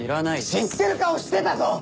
知ってる顔してたぞ！